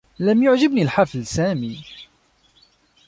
لم يعجب الحفل سامي.